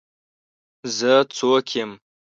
زه څوک یم؟